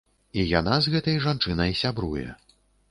І яна з гэтай жанчынай сябруе.